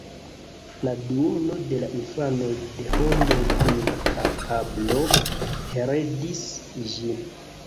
La duono de la infanoj de homoj kun la kapablo heredis ĝin.